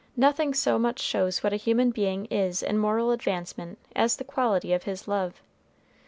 Nothing so much shows what a human being is in moral advancement as the quality of his love.